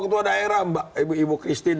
ketua daerah mbak ibu ibu christine